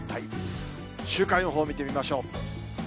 週間予報を見てみましょう。